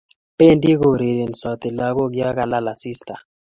bendi ku urerensot lagok ya kilal asista